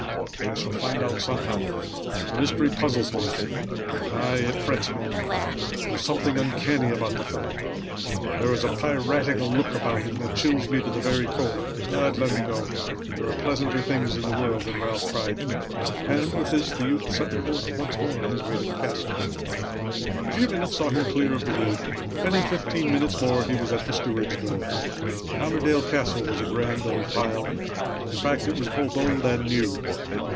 I shall find out somehow. The mystery puzzles me. Aye, it frets me. There is something uncanny about the fellow. There is a piratical look about him that chills me to the very core. But, let him go. There are pleasanter things in the world than Ralph Tryon." And with this the youth set forth once more on his way to the castle. A few minutes saw him clear of the wood, and in fifteen minutes more he was at the steward's door. Allerdale Castle was a grand old pile. In fact it was both old and new.